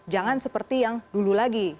jangan seperti yang dulu lagi